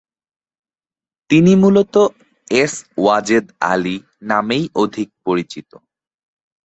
তিনি মূলত 'এস ওয়াজেদ আলি' নামেই অধিক পরিচিত।